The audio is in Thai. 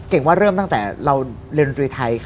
ว่าเริ่มตั้งแต่เราเรียนดนตรีไทย